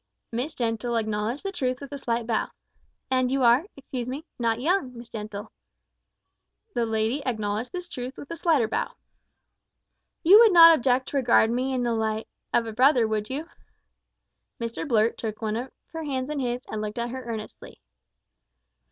Miss Gentle acknowledged the truth with a slight bow. "And you are excuse me not young, Miss Gentle." The lady acknowledged this truth with a slighter bow. "You would not object to regard me in the light of a brother, would you?" Mr Blurt took one of her hands in his, and looked at her earnestly.